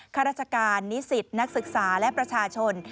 ข้าราชการนิสิตนักศึกษาและประชาชน